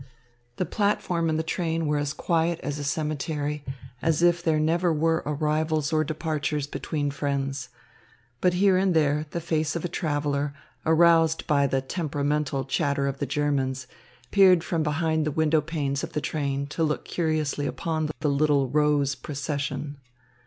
The platform and the train were as quiet as a cemetery, as if there never were arrivals or departures between friends. But here and there, the face of a traveller, aroused by the "temperamental" chatter of the Germans, peered from behind the window panes of the train to look curiously upon the little rose procession.